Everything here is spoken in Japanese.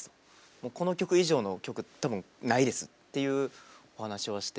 もうこの曲以上の曲多分ないです」っていうお話をして。